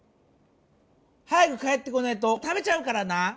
早く帰ってこないと食べちゃうからな！